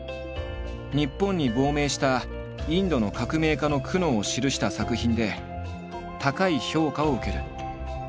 日本に亡命したインドの革命家の苦悩を記した作品で高い評価を受ける。